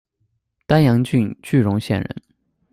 丹阳郡句容县人。